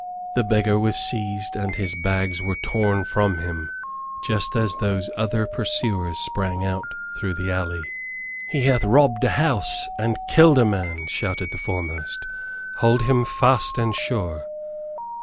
The beggar was seized and his bags were torn from him, just as those other pursuers sprang out through the alley. "He hath robbed a house, and killed a man," shouted the foremost. "Hold him fast and sure."